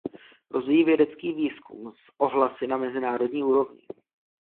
Rozvíjí vědecký výzkum s ohlasy na mezinárodní úrovni.